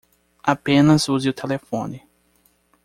Apenas use o telefone.